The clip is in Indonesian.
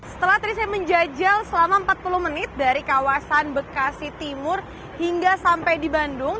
setelah tadi saya menjajal selama empat puluh menit dari kawasan bekasi timur hingga sampai di bandung